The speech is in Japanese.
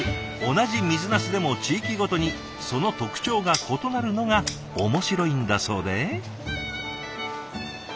同じ水なすでも地域ごとにその特徴が異なるのが面白いんだそうで。